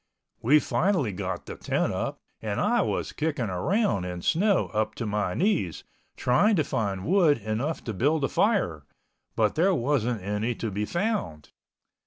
We finally got the tent up and I was kicking around in snow up to my knees, trying to find wood enough to build a fire, but there wasn't any to be found.